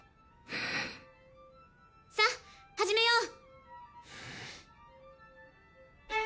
さっ始めよう。